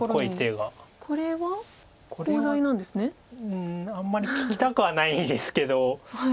うんあんまり利きたくはないですけど。